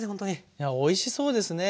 いやおいしそうですね。